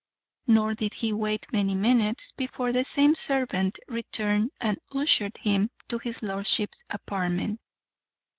Nor did he wait many minutes before the same servant returned and ushered him to his lordship's apartment.